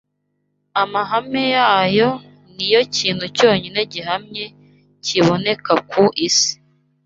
Amahame yayo ni yo kintu cyonyine gihamye kiboneka ku isi.